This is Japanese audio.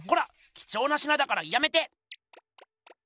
きちょうな品だからやめて！